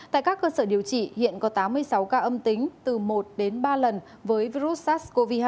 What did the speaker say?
tại các cơ sở điều trị hiện có tám mươi sáu ca âm tính từ một đến ba lần với virus sars cov hai